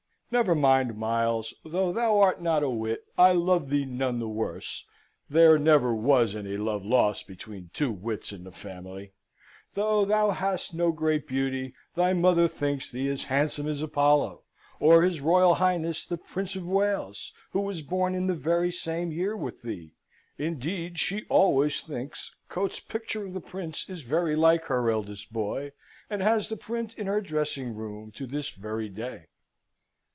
Never mind, Miles, though thou art not a wit, I love thee none the worse (there never was any love lost between two wits in a family); though thou hast no great beauty, thy mother thinks thee as handsome as Apollo, or his Royal Highness the Prince of Wales, who was born in the very same year with thee. Indeed, she always think Coates's picture of the Prince is very like her eldest boy, and has the print in her dressing room to this very day.